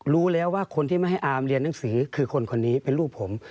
รู้แล้วว่าคนที่ไม่ให้อามเรียนหนังสือคือคนคนนี้เป็นลูกผม